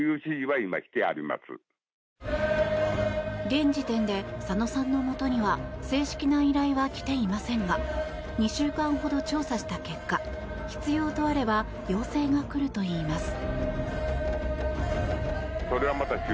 現時点で左野さんのもとには正式な依頼は来ていませんが２週間ほど調査した結果必要とあれば要請が来るといいます。